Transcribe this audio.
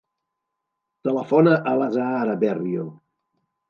Telefona a l'Azahara Berrio.